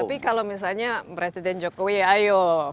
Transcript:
tapi kalau misalnya presiden jokowi ayo